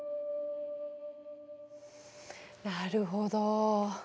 なるほど。